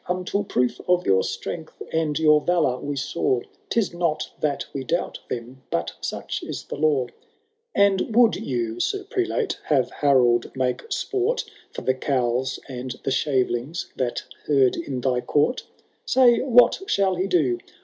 Until proof of your strengUi and your valour we Baw~ *Tis not that we doubt them, but such is the law. ^^ And would you. Sir Prelate, have Harold make sport For the cowls and the shavelings that herd in thy court .' Say what shall he do